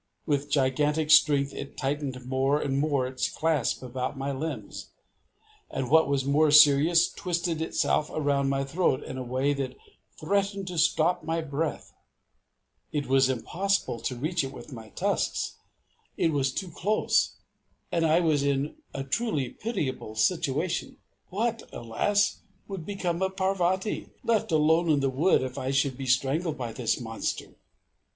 With gigantic strength it tightened more and more its clasp about my limbs, and what was more serious, twisted itself around my throat in a way that threatened to stop my breath. [Illustration: I UTTERED A SUDDEN ROAR AND AT THE SAME TIME LEAPED TOWARD THE SERPENT] It was impossible to reach it with my tusks it was too close and I was in a truly pitiable situation. What, alas! would become of Parvati, left alone in the wood, if I should be strangled by this monster?